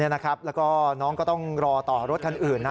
นี่นะครับแล้วก็น้องก็ต้องรอต่อรถคันอื่นนะ